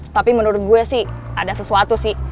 tapi menurut gue sih ada sesuatu sih